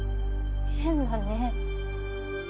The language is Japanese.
変だね。